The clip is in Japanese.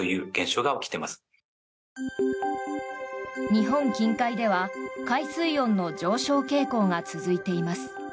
日本近海では海水温の上昇傾向が続いています。